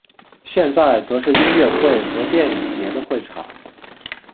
现在则是音乐会和电影节的会场。